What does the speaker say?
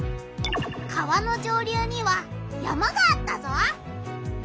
川の上流には山があったぞ！